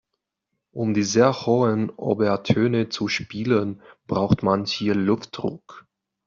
Um die sehr hohen Obertöne zu spielen, braucht man viel Luftdruck.